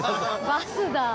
「バスだ」。